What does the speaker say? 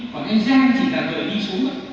còn anh giang chỉ là đợi đi xuống đó